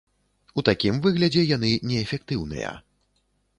У такім выглядзе яны неэфектыўныя.